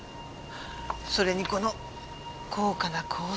それにこの高価な香水。